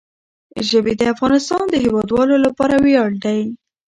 ژبې د افغانستان د هیوادوالو لپاره ویاړ دی.